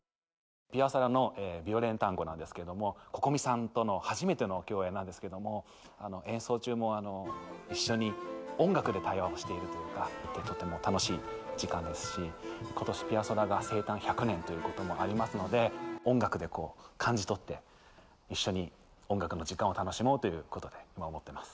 ピアソラの「ビオレンタンゴ」なんですけれどもＣｏｃｏｍｉさんとの初めての共演なんですけども演奏中もあの一緒に音楽で対話をしているというかとても楽しい時間ですし今年ピアソラが生誕１００年ということもありますので音楽でこう感じ取って一緒に音楽の時間を楽しもうということで今思ってます。